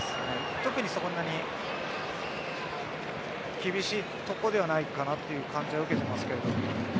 特にそんなに厳しいところではないかなという感じは受けますけど。